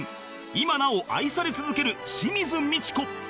今なお愛され続ける清水ミチコ